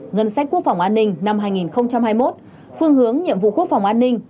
ngân sách quốc phòng an ninh năm hai nghìn hai mươi một phương hướng nhiệm vụ quốc phòng an ninh